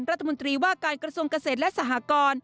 รัฐมนตรีว่าการกระทรวงเกษตรและสหกร